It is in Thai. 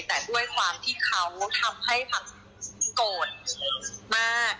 แต่ด้วยความที่เขาทำให้ผักโกรธมาก